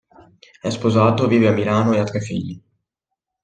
È sposato, vive a Milano e ha tre figli.